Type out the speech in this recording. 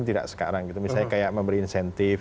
tidak sekarang gitu misalnya kayak memberi insentif